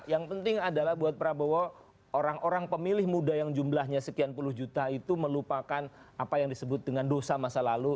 yang penting adalah buat prabowo orang orang pemilih muda yang jumlahnya sekian puluh juta itu melupakan apa yang disebut dengan dosa masa lalu